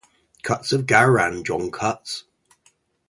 "Cutts of Gowran, John Cutts".